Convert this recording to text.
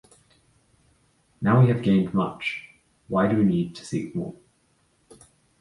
Now we have gained much: why do we need to seek more?